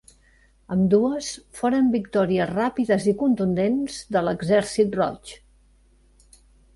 Ambdues foren victòries ràpides i contundents de l'Exèrcit Roig.